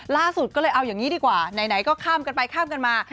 ล่าสุดก็เลยเอาอย่างนี้ดีกว่าไหนก็ข้ามกันไปข้ามกันมา